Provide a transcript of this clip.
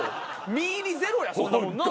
実入りゼロやそんなもんな。